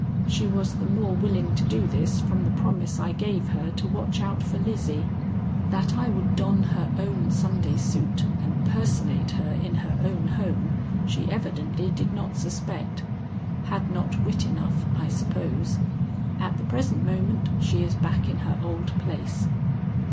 She was the more willing to do this from the promise I gave her to watch out for Lizzie. That I would don her own Sunday suit and personate her in her own home she evidently did not suspect. Had not wit enough, I suppose. At the present moment she is back in her old place."